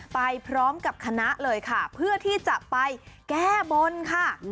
ไปพร้อมกับคณะเลยค่ะเพื่อที่จะไปแก้บนค่ะ